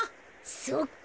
そっか。